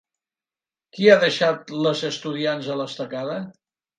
Qui ha deixat les estudiants a l'estacada?